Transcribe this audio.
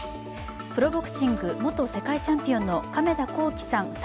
プロボクシング、元世界チャンピオンの亀田興毅さん